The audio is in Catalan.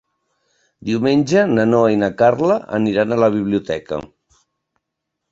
Diumenge na Noa i na Carla aniran a la biblioteca.